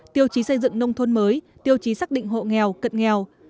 tiêu chí xây dựng nông thôn mới tiêu chí xác định hộ nghèo cận nghèo